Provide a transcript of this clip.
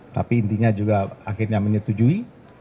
tapi intinya juga akhirnya menyetujui